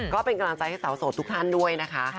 ก็เป็นกำลังใจให้สาวโสดทุกท่านด้วยนะคะ